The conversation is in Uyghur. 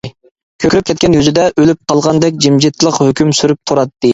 كۆكىرىپ كەتكەن يۈزىدە ئۆلۈپ قالغاندەك جىمجىتلىق ھۆكۈم سۈرۈپ تۇراتتى.